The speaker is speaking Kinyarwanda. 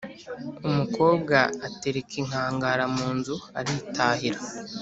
Umukobwa atereka inkangara mu nzu aritahira